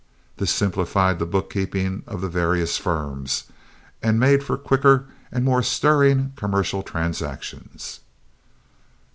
This simplified the bookkeeping of the various firms, and made for quicker and more stirring commercial transactions.